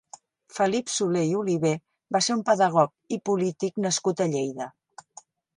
Felip Solé i Olivé va ser un pedagog i polític nascut a Lleida.